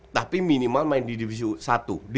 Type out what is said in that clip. tapi minimal main di divisi satu